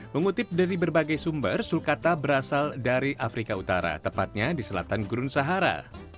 mengutip dari berbagai sumber sulcata berasal dari afrika utara tepatnya di selatan gurun sahara